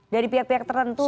dari pihak pihak tertentu